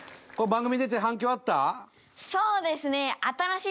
そうですね。